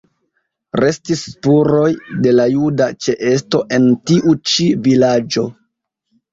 Restis spuroj de la juda ĉeesto en tiu ĉi vilaĝo.